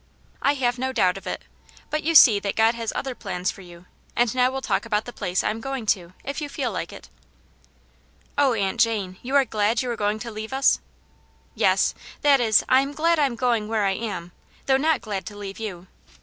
" I have no doubt of it. But you see that God has other plans for you. And now we'll talk about the place I am going to, if you feel like it" " Oh, Aunt Jane ! You are glad you are going to leave us !"" Yes — that is, I am glad I am going where I am, though not glad to leave you.